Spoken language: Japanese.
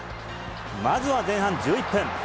まずは前半１１分。